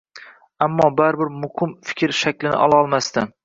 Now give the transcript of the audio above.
Aammo baribir muqim fikr shaklini ololmasdi.